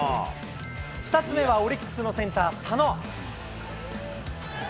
２つ目はオリックスのセンター、佐野。